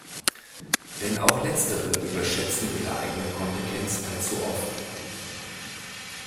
Denn auch letztere überschätzen ihre eigene Kompetenz allzu oft.